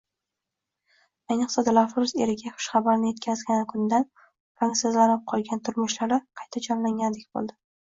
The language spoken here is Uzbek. Ayniqsa, Dilafruz eriga xushxabarni etkazgan kunidan rangsizlashib qolgan turmushlari qayta jonlangandek bo`ldi